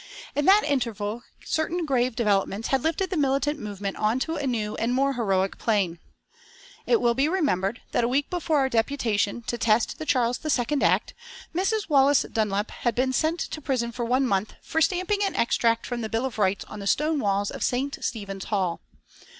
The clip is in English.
In that interval certain grave developments had lifted the militant movement onto a new and more heroic plane. It will be remembered that a week before our deputation to test the Charles II Act, Miss Wallace Dunlop had been sent to prison for one month for stamping an extract from the Bill of Rights on the stone walls of St. Stephen's Hall.